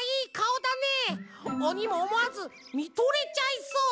おにもおもわずみとれちゃいそう。